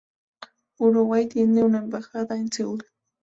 Uruguay tiene una embajada en Seúl.